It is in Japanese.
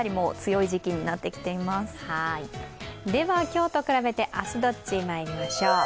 今日と比べて明日どっち、まいりましょう。